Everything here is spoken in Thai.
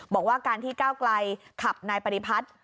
บอกว่าการที่ก้าวไกลขับนายปฏิพัฒน์